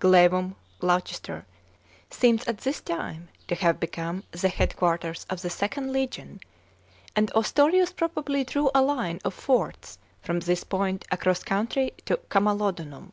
Grlevum (Gloucester) seems at this time to have become the headquarters of the Ilnd legion, and Ostorius probably drew a line of forts from this point across country to Camalodunum.